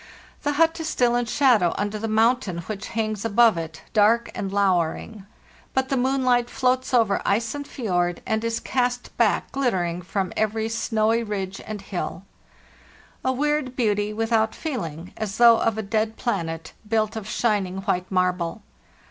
The hut is still in shadow under the mountain which hangs above it, dark and lowering; but the moonlight floats over ice and fjord, and is cast back glittering from every snowy ridge and hill. A weird beauty, without feeling, as though of a dead planet, built of shining white marble.